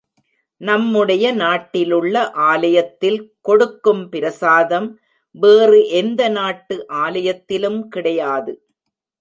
நம்முடைய நாட்டிலுள்ள ஆலயத்தில் கொடுக்கும் பிரசாதம் வேறு எந்த நாட்டு ஆலயத்திலும் கிடையாது.